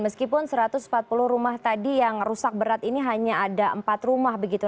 meskipun satu ratus empat puluh rumah tadi yang rusak berat ini hanya ada empat rumah begitu